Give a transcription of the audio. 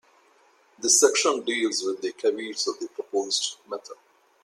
This section deals with the caveats of the proposed method.